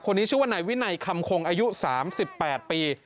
ชื่อว่านายวินัยคำคงอายุ๓๘ปี